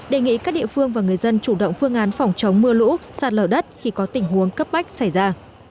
đề nghị các địa phương và người dân chủ động phương án phòng chống mưa lũ sạt lở đất khi có tình huống cấp bách xảy ra